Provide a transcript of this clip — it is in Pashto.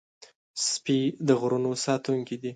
سپي د غرونو ساتونکي دي.